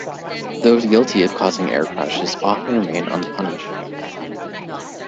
Those guilty of causing air crashes often remain unpunished.